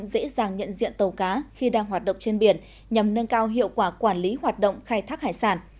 dễ dàng nhận diện tàu cá khi đang hoạt động trên biển nhằm nâng cao hiệu quả quản lý hoạt động khai thác hải sản